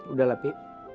udah lah pi